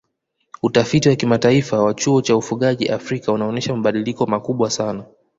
Utafiti wa kimataifa wa kituo cha ufugaji Afrika unaonyesha mabadiliko makubwa sana